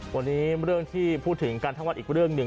วันนี้เรื่องที่พูดถึงกันทั้งวันอีกเรื่องหนึ่ง